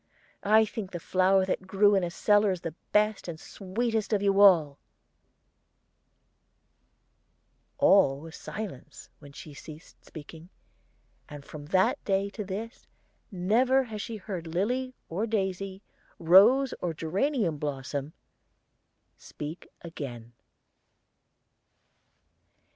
I think the flower that grew in a cellar the best and sweetest of you all." All was silence when she ceased speaking, and from that day to this never has she heard lily or daisy, rose or geranium blossom, speak again.